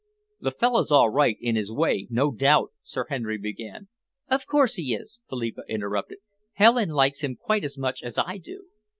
"The fellow's all right in his way, no doubt," Sir Henry began. "Of course he is," Philippa interrupted. "Helen likes him quite as much as I do."